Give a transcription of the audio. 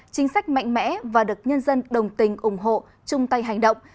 chính sách mạnh mẽ và được nhân dân đồng tình ủng hộ chung tay hành động